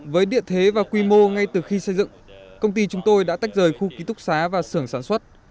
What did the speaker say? với địa thế và quy mô ngay từ khi xây dựng công ty chúng tôi đã tách rời khu ký túc xá và sưởng sản xuất